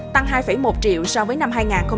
tăng hai một triệu so với năm hai nghìn hai mươi hai